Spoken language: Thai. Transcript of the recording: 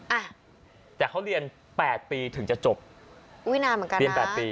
อ่ะแต่เขาเรียนแปดปีถึงจะจบอุ้ยนานเหมือนกันเรียนแปดปี